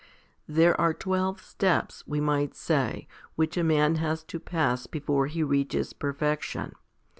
4. There are twelve steps, we might say, which a man has to pass before he reaches perfection.